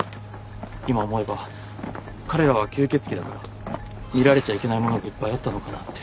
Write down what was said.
今思えば彼らは吸血鬼だから見られちゃいけないものがいっぱいあったのかなって。